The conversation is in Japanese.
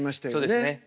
そうですね。